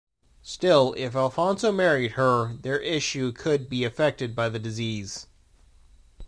Still, if Alfonso married her, their issue could be affected by the disease.